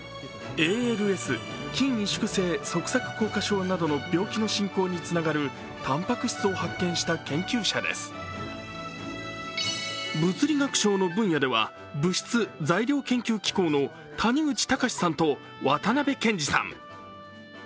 ＡＬＳ＝筋萎縮性側索硬化症などの病気の進行につながるたんぱく質を発見した研究者です。物理学賞の分野では、物質・材料研究機構の谷口尚さんと渡辺賢司さん。